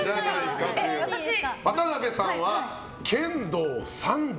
渡辺さんは剣道３段。